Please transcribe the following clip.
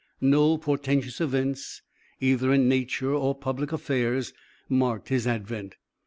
No portentious events, either in nature or public affairs, marked his advent.